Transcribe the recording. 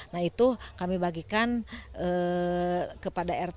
nah itu kami bagikan kepada rt